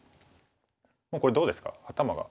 これどうですか頭が。